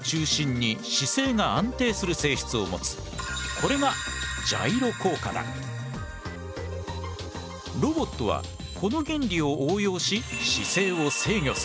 これがロボットはこの原理を応用し姿勢を制御する。